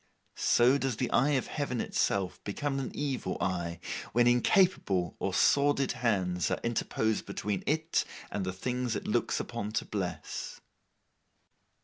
So does the eye of Heaven itself become an evil eye, when incapable or sordid hands are interposed between it and the things it looks upon to bless.